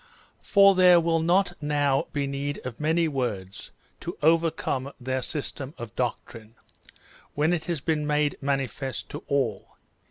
For there will not now be need of many words to overturn their system of doctrinCj when it has been made manifest to all.